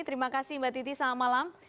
terima kasih mbak titi selamat malam